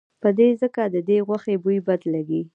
په ده ځکه ددې غوښې بوی بد لګي.